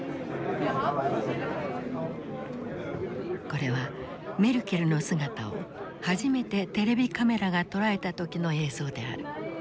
これはメルケルの姿を初めてテレビカメラが捉えた時の映像である。